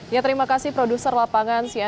ya terima kasih produser lapangan cna